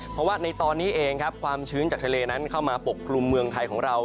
เพราะว่าในตอนนี้เองครับความชื้นจากทะเลนั้นเข้ามาปกกลุ่มเมืองไทยของเรา